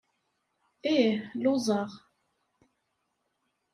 Ih, lluẓeɣ.